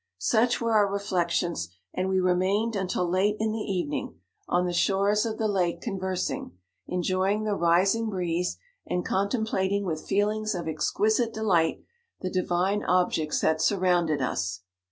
Such were our reflections, and we remained until late in the evening on the shores of the lake conversing, enjoying the rising breeze, and con templating with feelings of exquisite 51 delight the divine objects that sur rounded us.